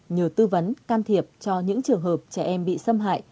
nhờ tư vấn can thiệp cho những trường hợp trẻ em bị xâm hại